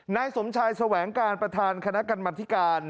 นายสมชายแสวงการประธานคณะกรรมธิการ